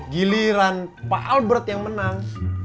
giliran pak albert yang menang